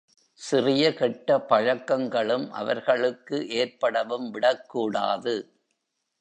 சிறிய கெட்ட பழக்கங்கள் அவர்களுக்கு ஏற்படவும் விடக்கூடாது.